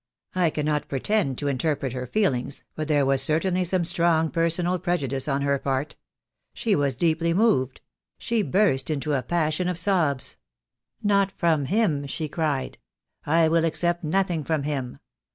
I cannot pretend to interpret her feelings, but there was certainly some strong personal prejudice on her part. She was deeply moved. She burst into a passion of sobs. 'Not from him,' she cried, 'I will accept nothing from him.